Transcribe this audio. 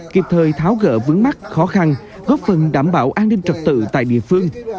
kịp thời tháo gỡ vướng mắt khó khăn góp phần đảm bảo an ninh trật tự tại địa phương